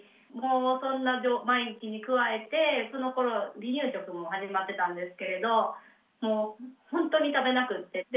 もうそんな毎日に加えてそのころ離乳食も始まってたんですけれどもうほんとに食べなくて。